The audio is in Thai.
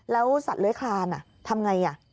แล้วสัตว์เลื้อยคลานทำไง